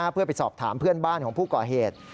เพื่อไปสอบถามเพื่อนบ้านของผู้ก่อเหตุ